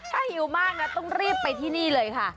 ถ้าหิวมากนะต้องรีบไปที่นี่เลยค่ะ